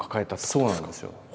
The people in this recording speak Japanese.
そうなんですよ。